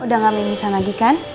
udah gak bisa lagi kan